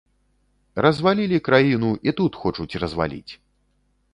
Развалілі краіну, і тут хочуць разваліць.